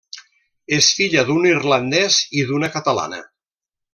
És filla d'un irlandès i d'una catalana.